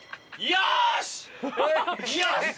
よし！